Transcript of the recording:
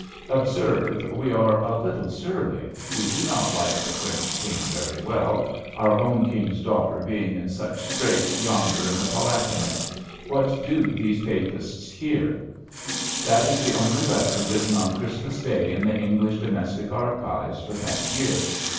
Observe, we are a little surly. We do not like the French King very well, our own King's daughter being in such straits yonder in the Palatinate. What do these Papists here? That is the only letter written on Christmas day in the English "Domestic Archives" for that year!